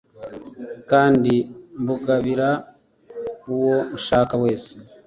kandi mbugabira uwo nshaka wese